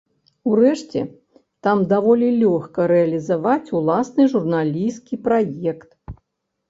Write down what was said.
Урэшце, там даволі лёгка рэалізаваць уласны журналісцкі праект.